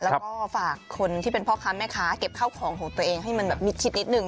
แล้วก็ฝากคนที่เป็นพ่อค้าแม่ค้าเก็บข้าวของของตัวเองให้มันแบบมิดชิดนิดนึง